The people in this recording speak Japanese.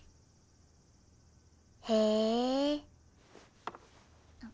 へえ。